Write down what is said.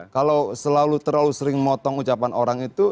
kalau selalu terlalu sering motong ucapan orang itu